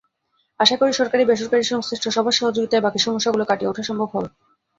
আশা করি, সরকারি-বেসরকারি সংশ্লিষ্ট সবার সহযোগিতায় বাকি সমস্যাগুলো কাটিয়ে ওঠা সম্ভব হবে।